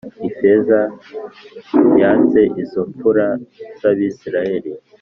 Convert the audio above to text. Ifeza yatse izo mpfura z ‘Abisirayeli.